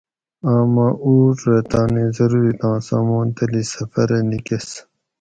آمہ اُوٹ رہ تانی ضرورِتاں سامان تلی سفرہ نِکۤس